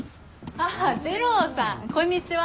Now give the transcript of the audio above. ああ滋郎さんこんにちは。